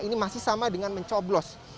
ini masih sama dengan mencoblos